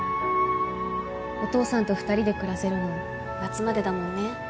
お父さんと２人で暮らせるの夏までだもんね